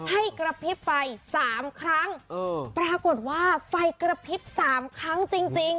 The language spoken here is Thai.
ให้กระพริบไฟสามครั้งปรากฏว่าไฟกระพริบสามครั้งจริงจริง